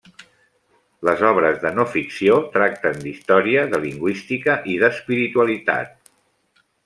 Les obres de no-ficció tracten d'història, de lingüística i d'espiritualitat.